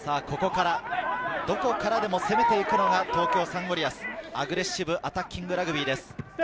ここからどこからでも攻めていくのが東京サンゴリアス、アグレッシブアタッキングラグビーです。